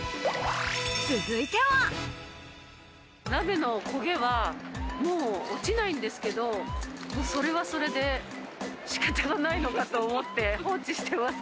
続いては。鍋の焦げはもう落ちないんですけど、それはそれで、仕方がないと思って放置しています。